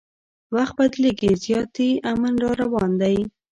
وخت بدلیږي زیاتي امن را روان دی